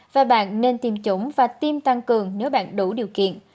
và bạn nên tiêm chủng và tiêm tăng cường nếu bạn đủ điều kiện